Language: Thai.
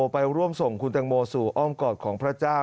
ไปร่วมส่งคุณตังโมสู่อ้อมกอดของพระเจ้า